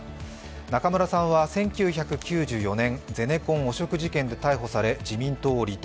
中村さんは１９９４年ゼネコン汚職事件で逮捕され自民党を離党。